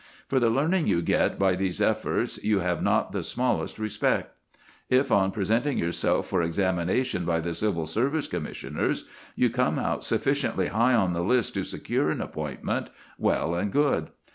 For the learning you get by these efforts you have not the smallest respect. If, on presenting yourself for examination by the Civil Service Commissioners, you come out sufficiently high on the list to secure an appointment, well and good.